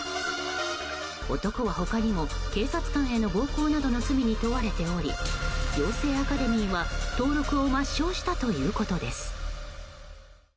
男は、他にも警察官への暴行などの罪に問われており養成アカデミーは登録を抹消したということです。